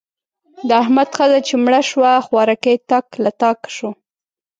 د احمد ښځه چې مړه شوه؛ خوارکی تاک له تاکه شو.